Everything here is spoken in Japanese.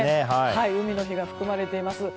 海の日が含まれています。